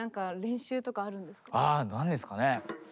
あ何ですかね？